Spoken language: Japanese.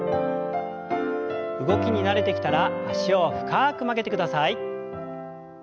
動きに慣れてきたら脚を深く曲げてください。